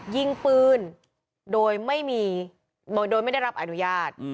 ยิงปืนโดยไม่ได้รับอนุญาต